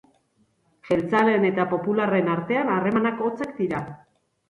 Jeltzaleen eta popularren artean harremanak hotzak dira.